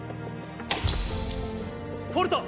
フォルト！